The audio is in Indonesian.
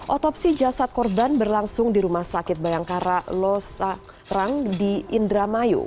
otopsi jasad korban berlangsung di rumah sakit bayangkara losarang di indramayu